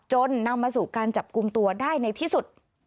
นำมาสู่การจับกลุ่มตัวได้ในที่สุด